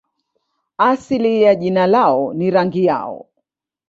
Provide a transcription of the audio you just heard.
Asili ya jina lao ni rangi yao.